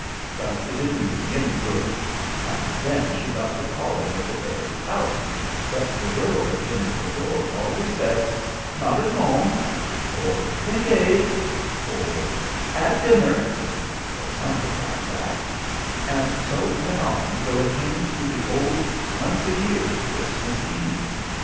But it didn't do any good; and then she got to calling at the Fairy's house, but the girl that came to the door always said, "Not at home," or "Engaged," or "At dinner," or something like that; and so it went on till it came to the old once a year Christmas Eve.